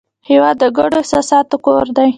هېواد د ګډو احساساتو کور دی.